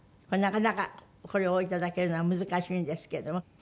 これなかなかこれをいただけるのは難しいんですけれども。